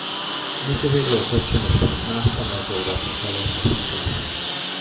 Nid yw Aelodau'r Cynulliad na Senedd Ewrop yn cael eu rhestru.